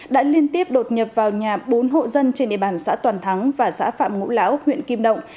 đã liên tiếp đột nhập vào nhà bốn hộ dân trên địa bàn xã toàn thắng và xã phạm ngũ lão huyện kim động